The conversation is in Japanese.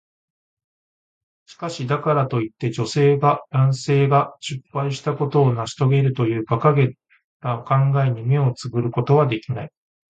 しかし、だからといって、女性が男性が失敗したことを成し遂げるという馬鹿げた考えに目をつぶることはできない。